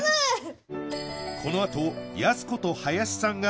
このあとやす子と林さんが